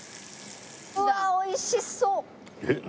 うわっおいしそう！